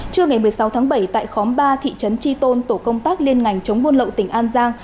trưa ngày một mươi sáu tháng bảy tại khóm ba thị trấn triton tổ công tác liên ngành chống môn lậu tỉnh an giang